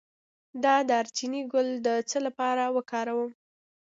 د دارچینی ګل د څه لپاره وکاروم؟